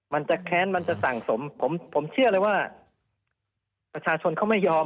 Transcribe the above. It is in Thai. มันจะแค้นมันจะสั่งสมผมผมเชื่อเลยว่าประชาชนเขาไม่ยอม